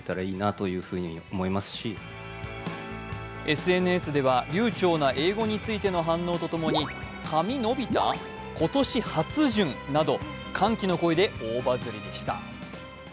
ＳＮＳでは、流ちょうな英語についての反応とともに歓喜の声で大バズりでした。